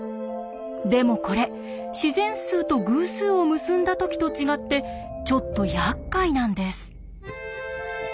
でもこれ自然数と偶数を結んだ時と違ってちょっとやっかいなんです。